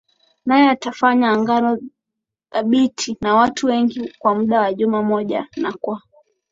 Naye atafanya agano thabiti na watu wengi kwa muda wa juma moja na kwa